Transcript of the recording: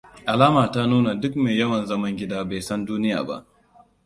Al'ada ta nuna duk mai yawan zaman gida bai san duniya ba.